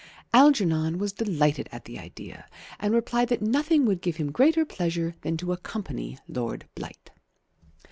Algernon was delighted at the idea, and replied that nothing would give him greater pleasure than to accompany Lord Blight.